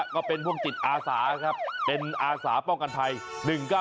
ก็เป็นพวกจิตอาสาครับเป็นอาสาป้องกันภัย